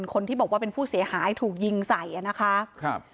คนที่บอกว่าเป็นผู้เสียหายถูกยิงใส่อ่ะนะคะครับ